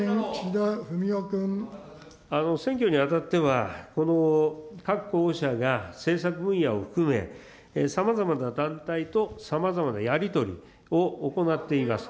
選挙にあたっては、この各候補者が政策分野を含め、さまざまな団体とさまざまなやり取りを行っています。